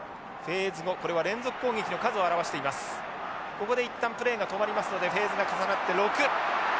ここで一旦プレーが止まりますのでフェーズが重なって６。